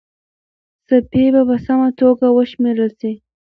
څپې به په سمه توګه وشمېرل سي.